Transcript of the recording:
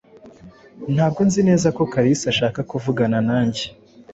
Ntabwo nzi neza ko Kalisa ashaka kuvugana nanjye.